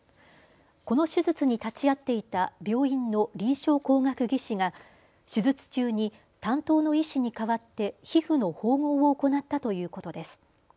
この手術に立ち会っていた病院の臨床工学技士が手術中に担当の医師に代わって皮膚の縫合を行ったということです。